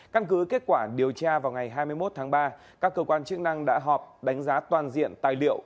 căn cứ kết quả điều tra vào ngày hai mươi một tháng ba các cơ quan chức năng đã họp đánh giá toàn diện tài liệu